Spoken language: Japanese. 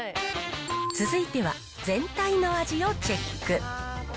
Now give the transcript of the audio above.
続いては、全体の味をチェック。